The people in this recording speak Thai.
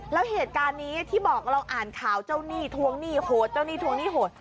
แล้วเหตุการณ์นี้ที่บอกเราอ่านข่าวเจ้าหนี้ทวงหนี้โหดเจ้าหนี้ทวงหนี้โหด